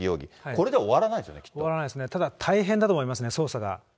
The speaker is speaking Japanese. これで終わらないですよね、きっ終わらないですね、ただ大変だと思いますね、捜査が。